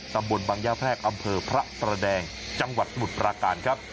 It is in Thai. ตำบลบังย่าแพรกอำเภอพระประแดงจังหวัดสมุทรปราการครับ